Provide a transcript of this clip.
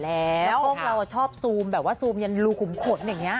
แล้วพวกเราชอบซูมแบบว่าซูมยันรูขุมขนอย่างนี้